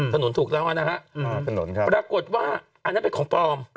ถูกแล้วนะฮะถนนครับปรากฏว่าอันนั้นเป็นของปลอม